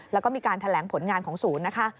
แล้วก็มีการแถลงผลงานของศูนย์นะคะ